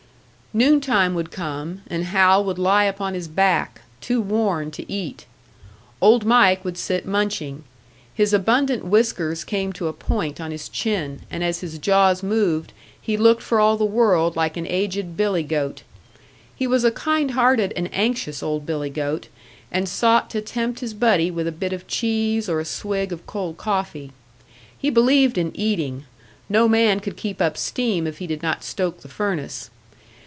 Noon time would come, and Hal would lie upon his back, too worn to eat. Old Mike would sit munching; his abundant whiskers came to a point on his chin, and as his jaws moved, he looked for all the world like an aged billy goat. He was a kind hearted and anxious old billy goat, and sought to tempt his buddy with a bit of cheese or a swig of cold coffee. He believed in eating no man could keep up steam if he did not stoke the furnace.